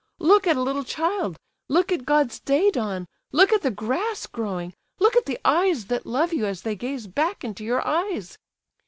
Look at a little child—look at God's day dawn—look at the grass growing—look at the eyes that love you, as they gaze back into your eyes!"